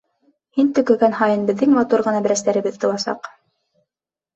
Һин төкөгән һайын беҙҙең матур ғына бәрәстәребеҙ тыуасаҡ.